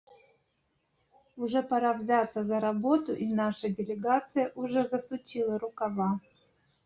Уже пора взяться за работу, и наша делегация уже засучила рукава.